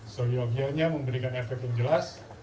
sejauhnya memberikan efek yang jelas